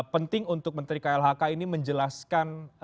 penting untuk menteri klhk ini menjelaskan